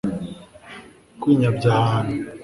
kwinyabya ahanu